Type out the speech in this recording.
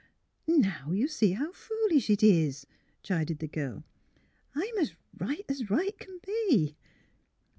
"" Now you see how foolish it is," chided the girl. '' I'm as right as right can be."